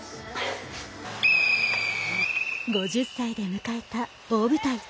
５０歳で迎えた、大舞台。